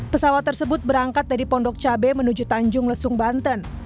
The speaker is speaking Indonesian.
pesawat tersebut berangkat dari pondok cabe menuju tanjung lesung banten